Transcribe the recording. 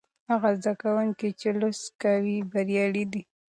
هغه زده کوونکي چې لوستل کوي بریالي دي.